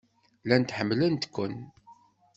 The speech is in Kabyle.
Llant ḥemmlent-ken.